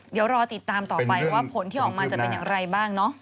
เดี๋ยวรอติดตามต่อไปว่าผลที่ออกมาจะเป็นอย่างไรบ้างเนาะ